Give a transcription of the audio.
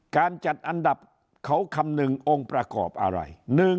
การจัดอันดับเขาคำนึงองค์ประกอบอะไร